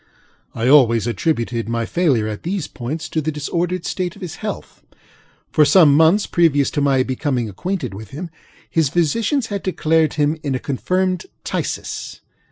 I always attributed my failure at these points to the disordered state of his health. For some months previous to my becoming acquainted with him, his physicians had declared him in a confirmed phthisis.